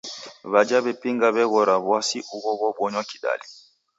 W'aja w'epinga w'eghora w'asi ugho ghobonywa kidali.